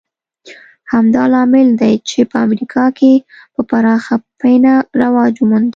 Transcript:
همدا لامل دی چې په امریکا کې په پراخه پینه رواج وموند